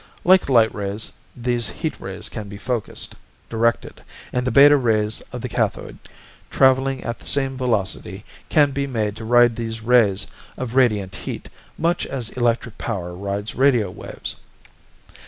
"Like light rays, these heat rays can be focused, directed; and the beta rays of the cathode, traveling at the same velocity, can be made to ride these rays of radiant heat much as electric power rides radio waves.